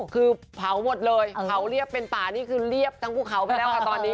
คือเผาหมดเลยเผาเรียบเป็นป่านี่คือเรียบทั้งภูเขาไปแล้วค่ะตอนนี้